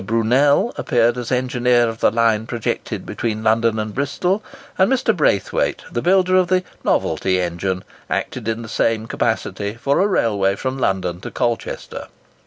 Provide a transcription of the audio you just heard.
Brunel appeared as engineer of the line projected between London and Bristol; and Mr. Braithwaite, the builder of the "Novelty" engine, acted in the same capacity for a railway from London to Colchester.